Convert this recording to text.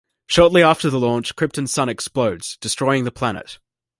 Shortly after the launch, Krypton's sun explodes, destroying the planet.